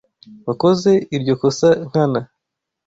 Wakoze iryo kosa nkana?